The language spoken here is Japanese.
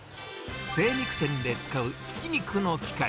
精肉店で使うひき肉の機械。